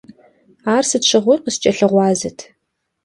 Ар сыт щыгъуи къыскӏэлъыгъуазэт.